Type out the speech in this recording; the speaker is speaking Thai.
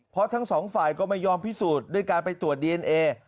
เพราะทั้งสองฝ่ายก็ไม่ยอมพิสูจน์ด้วยการไปตรวจดีเอนเอ